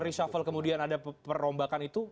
reshuffle kemudian ada perombakan itu